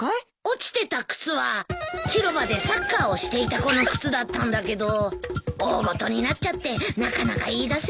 落ちてた靴は広場でサッカーをしていた子の靴だったんだけど大ごとになっちゃってなかなか言い出せなかったそうなんだよ。